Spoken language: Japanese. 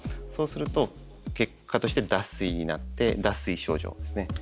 そうすると結果として脱水になって脱水症状ですね。